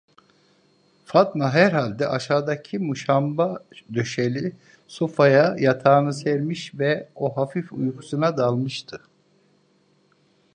Fatma herhalde aşağıdaki muşamba döşeli sofaya yatağını sermiş ve o hafif uykusuna dalmıştı.